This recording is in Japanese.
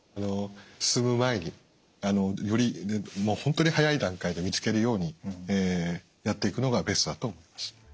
進む前により本当に早い段階で見つけるようにやっていくのがベストだと思います。